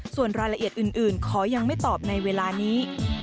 ส่วนรายละเอียดอื่นขอยังไม่ตอบในเวลานี้